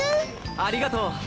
ありがとう。